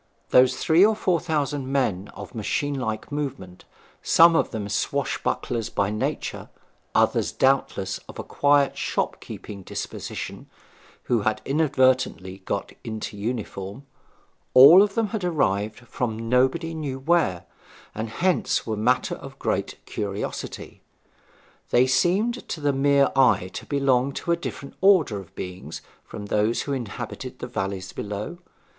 Those three or four thousand men of one machine like movement, some of them swashbucklers by nature; others, doubtless, of a quiet shop keeping disposition who had inadvertently got into uniform all of them had arrived from nobody knew where, and hence were matter of great curiosity. They seemed to the mere eye to belong to a different order of beings from those who inhabited the valleys below.